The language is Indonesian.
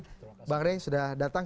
terima kasih bang rira sudah datang